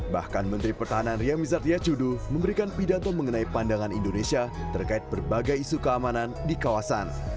bahkan menteri pertahanan riamizat yacudu memberikan pidato mengenai pandangan indonesia terkait berbagai isu keamanan di kawasan